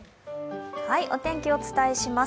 お天気、お伝えします。